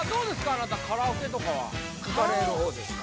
あなたカラオケとかは行かれるほうですか？